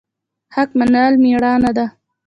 حق منل میړانه ده